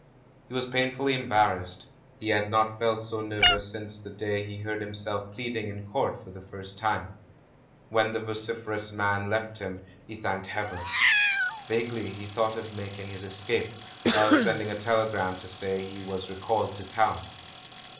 He was painfully embarrassed ; he had not felt so nervous since the day he heard himself plead ing in court for the first time. When the vocif THE CALL FROM THE PAST 401 erous man left him, he thanked Heaven. Vaguely he thought of making his escape, of sending a telegram to say he was recalled to town.